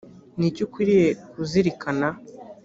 ni iki ukwiriye kuzirikana?